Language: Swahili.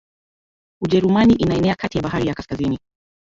Ujerumani inaenea kati ya bahari ya Kaskazini